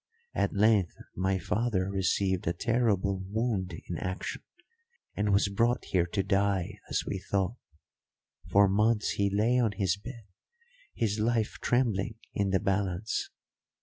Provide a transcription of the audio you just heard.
At length my father received a terrible wound in action and was brought here to die, as we thought. For months he lay on his bed, his life trembling in the balance.